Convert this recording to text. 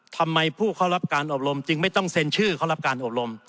ทำไมผู้เข้ารับการอบรมจึงไม่ต้องเซ็นชื่อเขารับการอบรม